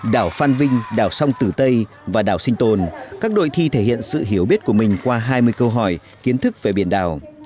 đảo phan vinh đảo sông tử tây và đảo sinh tồn các đội thi thể hiện sự hiểu biết của mình qua hai mươi câu hỏi kiến thức về biển đảo